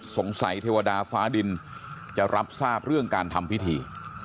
เทวดาฟ้าดินจะรับทราบเรื่องการทำพิธี